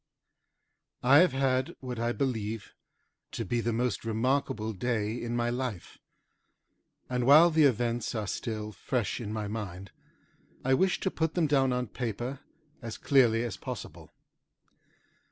I have had what I believe to be the most remarkable day in my life, and while the events are still fresh in my mind, I wish to put them down on paper as clearly as possible.